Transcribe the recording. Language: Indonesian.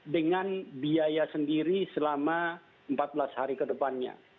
dengan biaya sendiri selama empat belas hari ke depannya